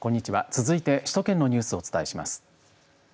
続いて首都圏のニュースをお伝えします。